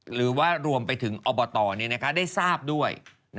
หรือว่ารวมไปถึงอบตได้ทราบด้วย